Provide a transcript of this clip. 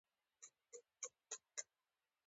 هلته به یې خپل پسونه څرول.